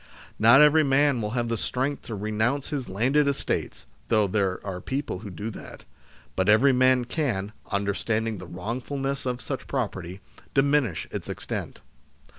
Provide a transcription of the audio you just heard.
Not every man will have the strength to renounce his landed estates (though there are people who do that), but every man can, understanding the wrongful ness of such property, diminish its extent.